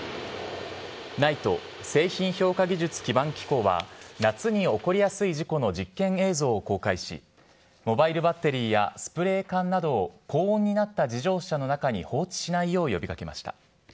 ＮＩＴＥ・製品評価技術基盤機構は、夏に起こりやすい事故の実験映像を公開し、モバイルバッテリーやスプレー缶などを、高温になった自動車の中に放置しないよう呼びかけました。